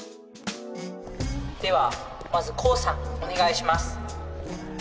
ではまずこうさんお願いします。